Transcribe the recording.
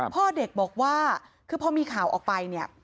พ่อเด็กบอกว่าคือพอมีข่าวออกไปเนี่ย